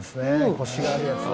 コシがあるやつや。